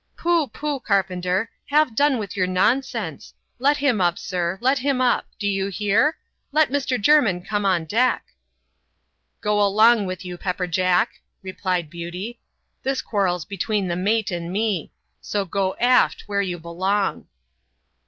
" Pooh, pooh, carpenter ; have done with your nonsense ! Let him up, sir ; let him up I Do you hear ? Let Mr. Jermin come on deck !"" Go along with you. Paper Jack," replied Beauty ;" this quarrel's between the mate and me; so go aft, where you belong!"